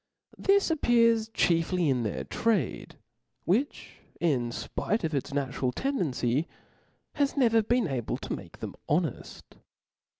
Thi§ appears chiefly in their trade, which, in fpite of its natural tendency, has never been able to make them honeft.